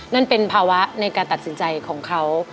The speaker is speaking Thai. นั่นเป็นภาวะในการตัดสินใจของเขา